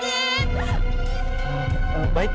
baik baik baik